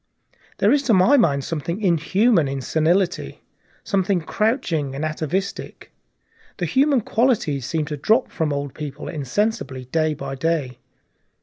There is, to my mind, something inhuman in senility, something crouching and atavistic; the human qualities seem to drop from old people insensibly day by day.